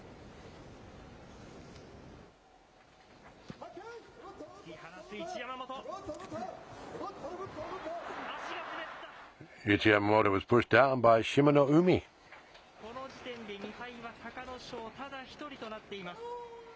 この時点で２敗は隆の勝、ただ一人となっています。